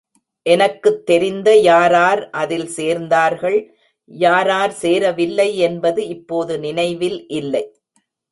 எனக்குத் தெரிந்த யாரார் அதில் சேர்ந்தார்கள், யாரார் சேரவில்லை என்பது இப்போது நினைவில் இல்லை.